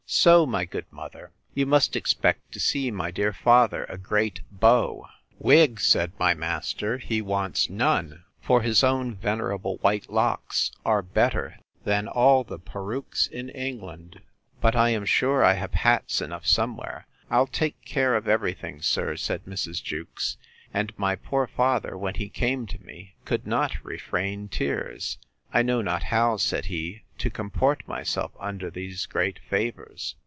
So, my good mother, you must expect to see my dear father a great beau. Wig, said my master, he wants none; for his own venerable white locks are better than all the perukes in England.—But I am sure I have hats enough somewhere.—I'll take care of every thing, sir, said Mrs. Jewkes.—And my poor father, when he came to me, could not refrain tears. I know not how, said he, to comport myself under these great favours.